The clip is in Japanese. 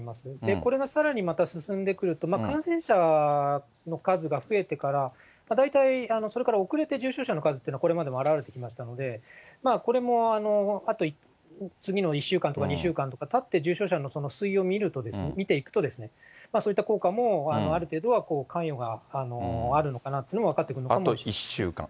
これがさらにまた、進んでくると、感染者の数が増えてから、大体それから遅れて重症者の数っていうのはこれまでも表れてきましたので、これもあと次の１週間とか２週間とかたって、重症者の推移を見ていくと、そういった効果もある程度は関与があるのかなっていうのも分かっあと１週間。